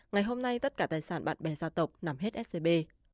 ngày hôm nay tất cả tài sản bạn bè gia tộc nằm hết scb